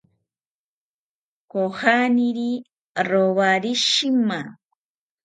Kojaniri rowari shima